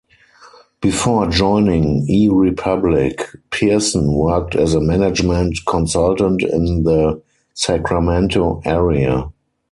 Before joining e.Republic, Pearson worked as a management consultant in the Sacramento area.